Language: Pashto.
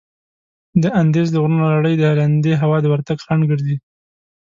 د اندیز د غرونو لړي د لندې هوا د ورتګ خنډ ګرځي.